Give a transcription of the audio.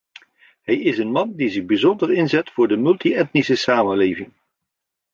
Hij is een man die zich bijzonder inzet voor de multi-etnische samenleving.